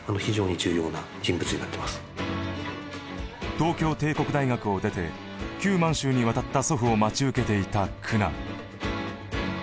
東京帝国大学を出て旧満州に渡った祖父を待ち受けていた苦難。